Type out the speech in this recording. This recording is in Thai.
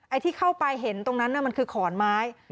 ที่เข้าไปเห็นตรงนั้นน่ะมันคือขอนไม้